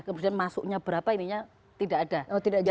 kemudian masuknya berapa ininya tidak ada